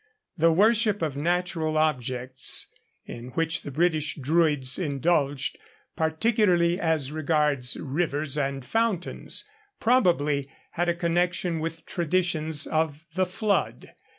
The worship of natural objects in which the British Druids indulged, particularly as regards rivers and fountains, probably had a connection with traditions of the flood.